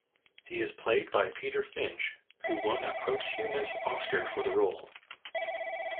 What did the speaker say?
He is played by Peter Finch, who won a posthumous Oscar for the role.